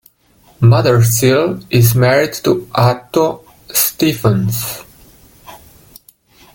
Mothersille is married to Ato Stephens.